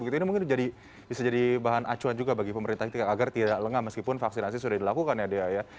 ini mungkin bisa jadi bahan acuan juga bagi pemerintah agar tidak lengah meskipun vaksinasi sudah dilakukan ya dea ya